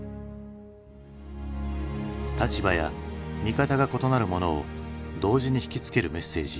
立場や見方が異なる者を同時に引きつけるメッセージ。